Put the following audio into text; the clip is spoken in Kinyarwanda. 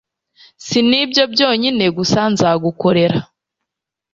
si n'ibyo byonyine gusa nzagukorera